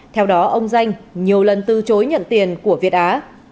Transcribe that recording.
theo đó ông danh nhiều lần từ chối nhận tiền của việt á